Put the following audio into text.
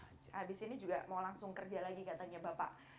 habis ini juga mau langsung kerja lagi katanya bapak